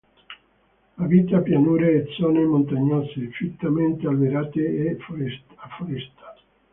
Abita pianure e zone montagnose, fittamente alberate a foresta.